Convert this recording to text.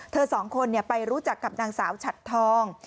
สองคนไปรู้จักกับนางสาวฉัดทอง